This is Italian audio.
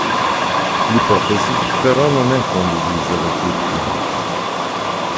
L'ipotesi però non è condivisa da tutti.